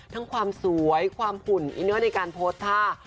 ทั้งความสวยความหุ่นอินเนอร์ในการโพสต์ท่า